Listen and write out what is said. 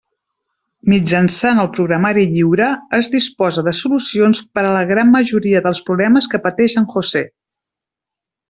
Mitjançant el Programari Lliure es disposa de solucions per a la gran majoria dels problemes que pateix en José.